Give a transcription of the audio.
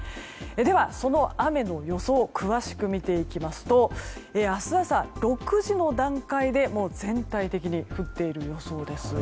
では、その雨の予想詳しく見ていきますと明日朝、６時の段階で全体的に降っている予想です。